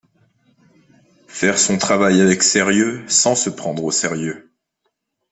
Faire son travail avec sérieux sans se prendre au sérieux.